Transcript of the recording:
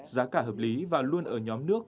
giá cả hợp lý và luôn ở nhóm nước